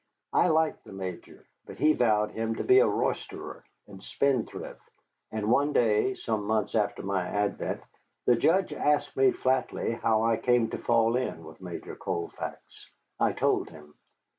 He liked the Major, but he vowed him to be a roisterer and spendthrift, and one day, some months after my advent, the Judge asked me flatly how I came to fall in with Major Colfax. I told him.